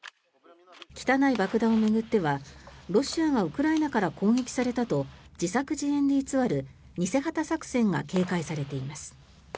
汚い爆弾を巡ってはロシアがウクライナから攻撃されたと自作自演で偽る偽旗作戦が警戒されています。